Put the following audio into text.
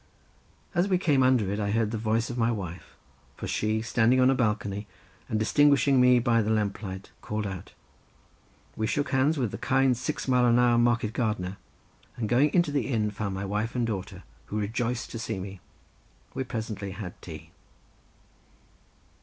As we came under it I heard the voice of my wife, for she, standing on a balcony and distinguishing me by the lamplight, called out. I shook hands with the kind six mile an hour market gardener, and going into the inn found my wife and daughter, who rejoiced to see me. We presently had tea.